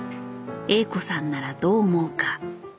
Ａ子さんならどう思うか。